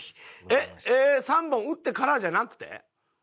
えっ３本打ってからじゃなくて？